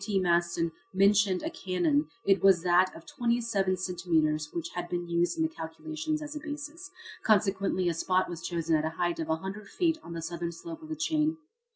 T. Maston mentioned a cannon it was that of 27 centimetres which had been used in the calculations as a basis. Consequently a spot was chosen at a height of a hundred feet on the southern slope of the chain.